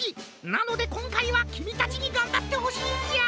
なのでこんかいはきみたちにがんばってほしいんじゃ！